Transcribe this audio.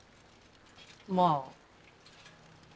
まあ。